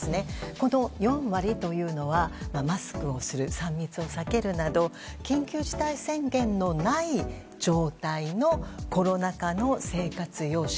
この４割というのはマスクをする３密を避けるなど緊急事態宣言のない状態のコロナ禍の生活様式。